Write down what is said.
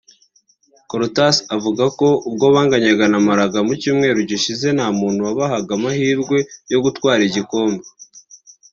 Courtois avuga ko ubwo banganyaga na Malaga mu cyumweru gishize nta muntu wabahaga amahirwe yo gutwara igikombe